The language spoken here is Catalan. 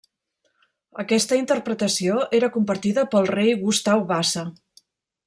Aquesta interpretació era compartida pel rei Gustau Vasa.